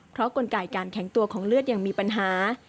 เพราะกลไกการแข็งตัวของเลือดยังมีปัญหา